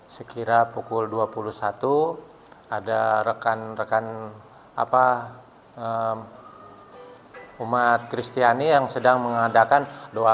sekira pukul dua puluh satu ada rekan rekan umat kristiani yang sedang mengadakan doa